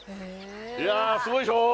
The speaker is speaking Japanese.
いやぁ、すごいでしょう。